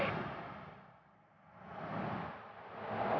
itu kenapa sih rick